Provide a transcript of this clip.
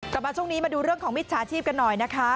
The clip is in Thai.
กลับมาช่วงนี้มาดูเรื่องของมิจฉาชีพกันหน่อยนะคะ